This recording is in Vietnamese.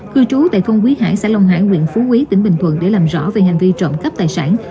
cư trú tại thôn quý hải xã long hải huyện phú quý tỉnh bình thuận để làm rõ về hành vi trộm cắp tài sản